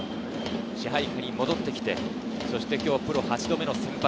支配下に戻ってきて今日プロ８度目の先発。